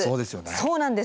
そうなんです。